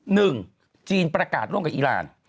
หนึ่งจีนประกาศร่วมกับอีราน